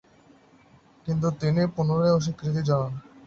কিন্তু তিনি পুনরায় অস্বীকৃতি জানান।